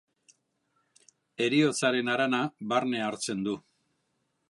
Heriotzaren harana barne hartzen du.